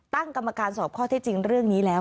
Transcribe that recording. ตั้งกรรมการสอบข้อเท็จจริงเรื่องนี้แล้ว